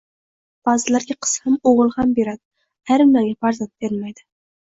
U Zot ba’zilarga qiz ham, o‘g‘il ham beradi, ayrimlarga farzand bermaydi.